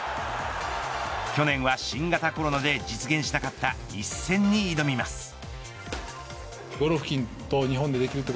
去年は新型コロナで実現しなかった一戦に挑みます。